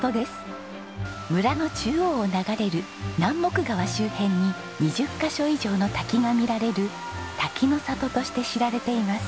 村の中央を流れる南牧川周辺に２０カ所以上の滝が見られる滝の里として知られています。